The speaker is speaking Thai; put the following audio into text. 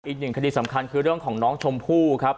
อีกหนึ่งคดีสำคัญคือเรื่องของน้องชมพู่ครับ